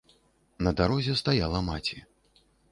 На дарозе стаяла маці.